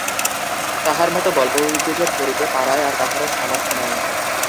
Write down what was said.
তাঁহার মতো গল্পগুজব করিতে পাড়ায় আর কাহারো সামর্থ্য নাই।